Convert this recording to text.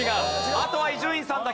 あとは伊集院さんだけ。